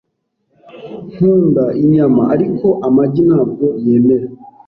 Nkunda inyama, ariko amagi ntabwo yemera .